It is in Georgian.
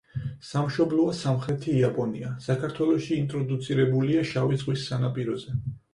სამშობლოა სამხრეთი იაპონია, საქართველოში ინტროდუცირებულია შავი ზღვის სანაპიროზე.